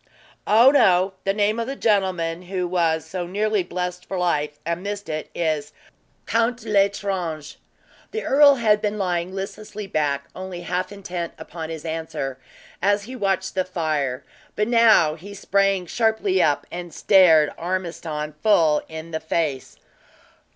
"Oh, no! The name of the gentleman who was so nearly blessed for life, and missed it, is Count L'Estrange!" The earl had been lying listlessly back, only half intent upon his answer, as he watched the fire; but now he sprang sharply up, and stared Ormiston full in the face.